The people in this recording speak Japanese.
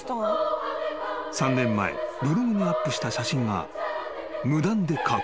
［３年前ブログにアップした写真が無断で加工され